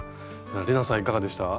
玲奈さんはいかがでした？